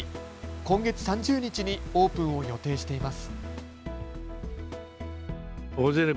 今月３０日にオープンを予定しています。